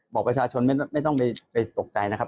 บอกประชาชนไม่ต้องไปตกใจนะครับ